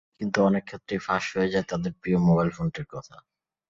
কিন্তু অনেক ক্ষেত্রেই ফাঁস হয়ে যায় তাঁদের প্রিয় মোবাইল ফোনটির কথা।